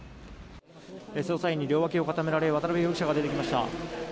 捜査員に両脇を固められ渡邉容疑者が出てきました。